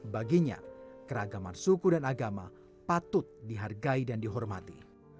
baginya keragaman suku dan agama patut dihargai dan dihormati